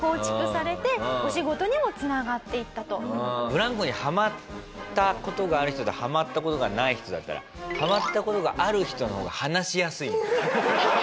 ブランコにはまった事がある人とはまった事がない人だったらはまった事がある人の方が話しやすいと思う。